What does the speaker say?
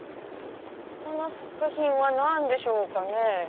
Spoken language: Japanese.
ここの作品は何でしょうかね？